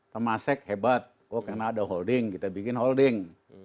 tema seks hebat kok karena ada holding kita bikin holding